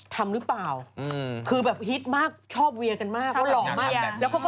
ทำรึเปล่าคือแบบฮิตมากชอบเวียร์กันมากเขาหรอกมาก